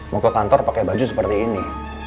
mau ke kantor pakai baju seperti ini